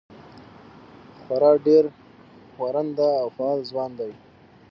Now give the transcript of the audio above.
خورا ډېر ښورنده او فعال ځوان دی.